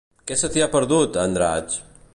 Què se t'hi ha perdut, a Andratx?